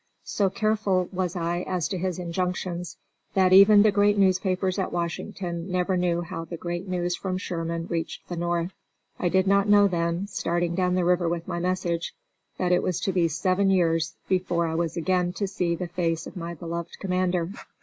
So careful was I as to his injunctions, that even the newspapers at Washington never knew how the great news from Sherman reached the North. I did not know then, starting down the river with my message, that it was to be seven years before I was again to see the face of my beloved commander.